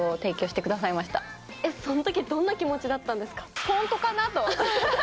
そのとき、どんな気持ちだっ本当かな？と。